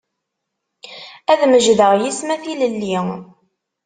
Ad mejdeɣ yis-m a tilelli.